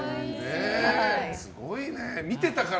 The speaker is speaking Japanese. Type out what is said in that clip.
すごいね見ていたから。